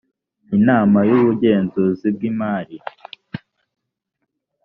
inama y ubugenzuzi bw imari